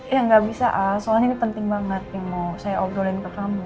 ya nggak bisa soalnya ini penting banget yang mau saya obrolin ke kamu